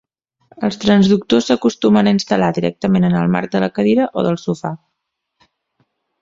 Els transductors s'acostumen a instal·lar directament en el marc de la cadira o del sofà.